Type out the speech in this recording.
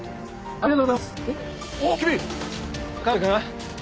ありがとうございます！